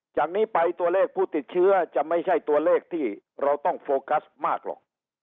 จากนี้ไปตัวเลขผู้ติดเชื้อจะไม่ใช่ตัวเลขที่เราต้องโฟกัสมากหรอก